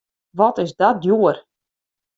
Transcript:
Wat is dat djoer!